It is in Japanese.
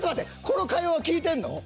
この会話は聞いてんの？